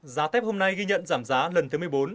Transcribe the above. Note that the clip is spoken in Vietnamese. giá thép hôm nay ghi nhận giảm giá lần thứ một mươi bốn